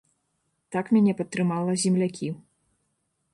Так мяне падтрымала землякі.